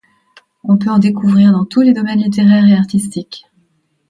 On peut en découvrir dans tous les domaines littéraires et artistiques.